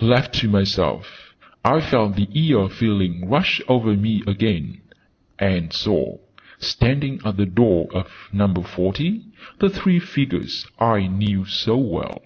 Left to myself, I felt the 'eerie' feeling rush over me again, and saw, standing at the door of Number Forty, the three figures I knew so well.